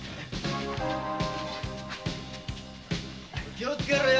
気をつけろよ。